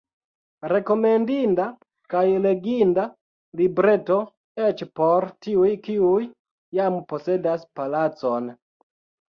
Rekomendinda kaj leginda libreto, eĉ por tiuj, kiuj jam posedas palacon!